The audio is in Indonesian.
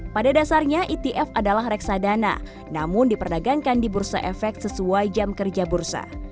pada dasarnya etf adalah reksadana namun diperdagangkan di bursa efek sesuai jam kerja bursa